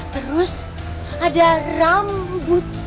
terus ada rambut